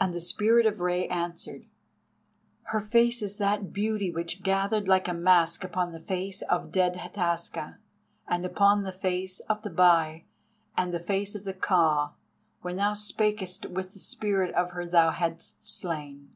And the Spirit of Rei answered: "Her face is that beauty which gathered like a mask upon the face of dead Hataska, and upon the face of the Bai, and the face of the Ka, when thou spakest with the spirit of her thou hadst slain."